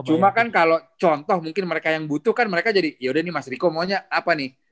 cuma kan kalau contoh mungkin mereka yang butuh kan mereka jadi yaudah nih mas rico maunya apa nih